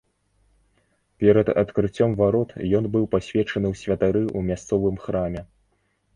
Перад адкрыццём варот ён быў пасвечаны ў святары ў мясцовым храме.